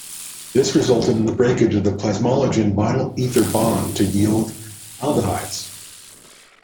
This resulted in the breakage of the plasmalogen vinyl-ether bond to yield aldehydes.